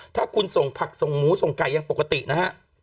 ถ้าคุณส่งผักส่งหมูส่งไก่ยังปกตินะฮะ